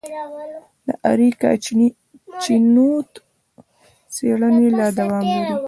د اریکا چینوت څېړنې لا دوام لري.